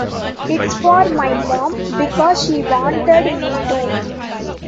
It's for my mom, because she wanted me to.